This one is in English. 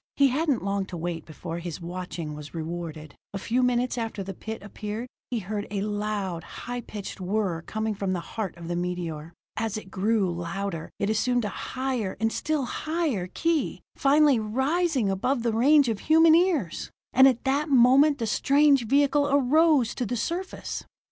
He hadn't long to wait before his watching was rewarded. A few minutes after the pit appeared, he heard a loud, high pitched whir coming from the heart of the meteor. As it grew louder, it assumed a higher and still higher key, finally rising above the range of human ears. And at that moment the strange vehicle arose to the surface.